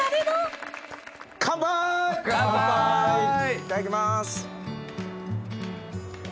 いただきます！